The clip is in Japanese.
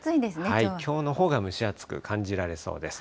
きょうのほうが蒸し暑く感じられそうです。